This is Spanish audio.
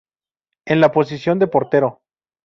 En la posición de portero.